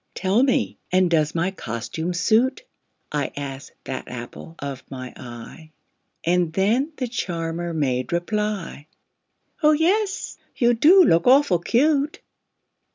"Tell me and does my costume suit?" I asked that apple of my eye And then the charmer made reply, "Oh, yes, you do look awful cute!"